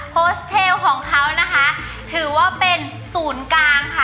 โฮสเทลของเขานะคะถือว่าเป็นศูนย์กลางค่ะ